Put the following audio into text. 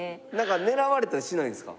狙われたりしないんですか？